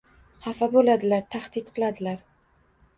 xafa bo‘ladilar, tahdid qiladilar